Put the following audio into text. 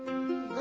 何？